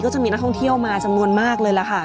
จะมีนักท่องเที่ยวมาจำนวนมากเลยล่ะค่ะ